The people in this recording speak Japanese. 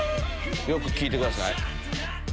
よく聴いてください。